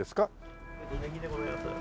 宜でございます。